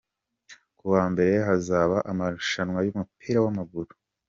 Kuwambere hazaba amarushanwa yumupira wa maguru